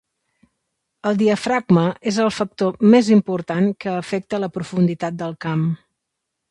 El diafragma és el factor més important que afecta la profunditat del camp.